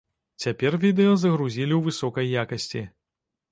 Цяпер відэа загрузілі ў высокай якасці.